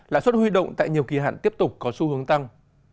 lãi suất huy động tại nhiều kỳ hạn tiếp tục có xu hướng tăng